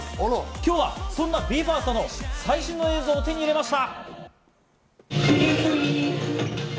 今日はそんなＢＥ：ＦＩＲＳＴの最新の映像を手に入れました。